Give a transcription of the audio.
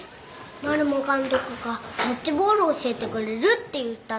マルモ監督がキャッチボール教えてくれるって言ったのに。